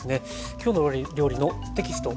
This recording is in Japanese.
「きょうの料理」のテキスト